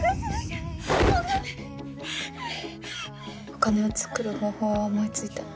お金を作る方法を思いついた。